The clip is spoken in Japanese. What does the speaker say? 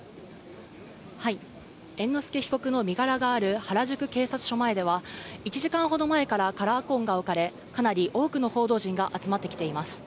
猿之助被告の身柄がある原宿警察署前では、１時間ほど前からカラーコーンが置かれ、かなり多くの報道陣が集まってきています。